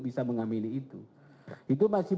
bisa mengamili itu itu masih